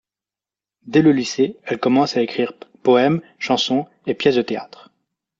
Dès le lycée, elle commence à écrire poèmes, chansons et pièces de théâtre.